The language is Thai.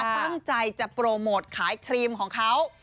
ตั้งใจจะโปรโมทขายครีมของเขา